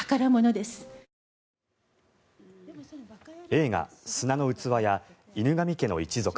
映画「砂の器」や「犬神家の一族」